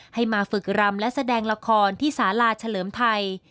ให้มาฝึกรำและแสดงละครที่สาลาเฉลิมไทย